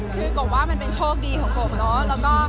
กลบว่ามันเป็นโชคดีของกลบเนอะ